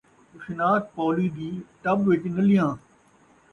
اُشناک پولی دی ٹٻ ءِچ نلیاں